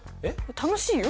楽しいよ？